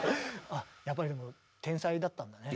あやっぱりでも天才だったんだね。